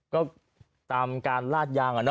ก็ตามการลาดยางอะเนอะ